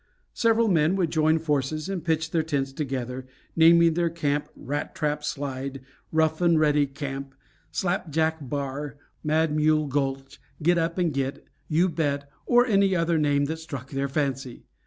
Several men would join forces and pitch their tents together, naming their camp Rat trap Slide, Rough and Ready Camp, Slap jack Bar, Mad Mule Gulch, Git up and Git, You Bet, or any other name that struck their fancy.